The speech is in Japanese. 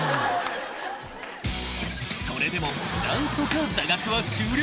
［それでも何とか座学は終了］